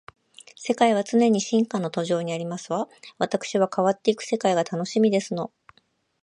世界は常に進化の途上にありますわ。わたくしは変わっていく世界が楽しみですの